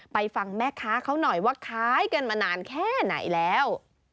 ไปฟังแม่ค้าเขาหน่อยว่าขายกันมานานแค่ไหนแล้ว